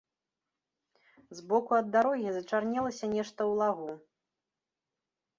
З боку ад дарогі зачарнелася нешта ў лагу.